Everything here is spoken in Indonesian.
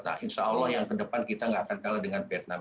nah insya allah yang kedepan kita nggak akan kalah dengan vietnam